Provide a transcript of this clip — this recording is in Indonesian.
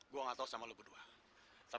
gue gatau sama lo kedua